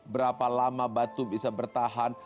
berapa lama batu bisa bertahan